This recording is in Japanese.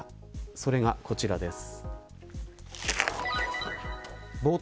それがこちらです。